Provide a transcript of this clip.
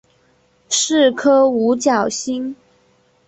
是颗五角星。